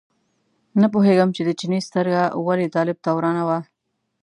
نه پوهېږم چې د چیني سترګه ولې طالب ته ورانه وه.